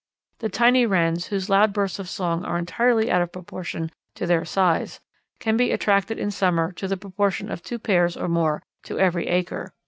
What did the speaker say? The tiny Wrens, whose loud bursts of song are entirely out of proportion to their size, can be attracted in summer to the proportion of two pairs or more to every acre.